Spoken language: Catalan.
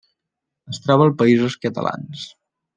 Es troba als Països Catalans.